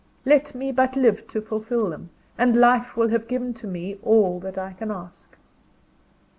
Let me but live to fulfil them, and life will have given to me all that I can ask!